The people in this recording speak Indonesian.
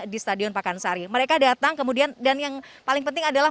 di stadion pakansari mereka datang kemudian dan yang paling penting adalah